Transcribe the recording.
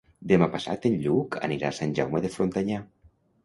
Demà passat en Lluc anirà a Sant Jaume de Frontanyà.